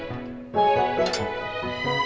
udah mau ke rumah